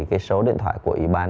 cái số điện thoại của ủy ban bảo vệ